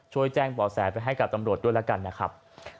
ช่วยแจ้งบ่อแสไปให้กับตำรวจด้วยแล้วกันนะครับ